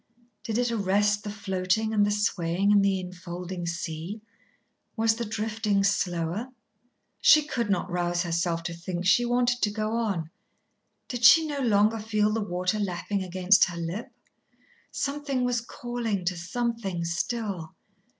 Did it arrest the floating and the swaying in the enfolding sea? Was the drifting slower? She could not rouse herself to think, she wanted to go on. Did she no longer feel the water lapping against her lip? Something was calling to Something still.